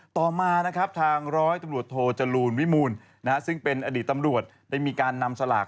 ต่อมานะครับทางร้อยตำรวจโทจรูลวิมูลซึ่งเป็นอดีตตำรวจได้มีการนำสลาก